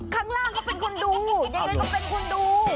ข้างล่างก็เป็นคนดูยังไงก็เป็นคนดู